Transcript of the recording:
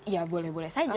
ya boleh boleh saja